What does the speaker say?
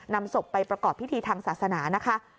นำศพไปประกอบพิธีทางศาสนานะคะ